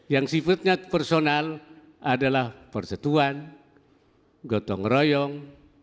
yang sifatnya personal adalah persatuan gotong royong